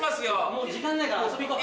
もう時間ないから遊び行こう。